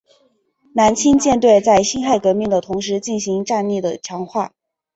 南清舰队在辛亥革命的同时进行战力的强化。